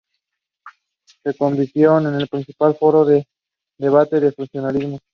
Se convirtieron en el principal foro de debate del funcionalismo.